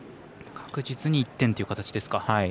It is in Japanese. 確実に１点という形ですか。